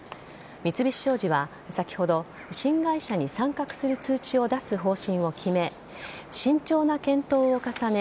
三菱商事は先ほど新会社に参画する通知を出す方針を決め慎重な検討を重ね